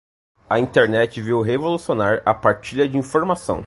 A Internet veio revolucionar a partilha de informação.